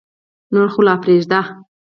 نور خو لا پرېږده.